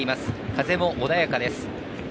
風も穏やかです。